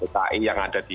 tki yang ada di sini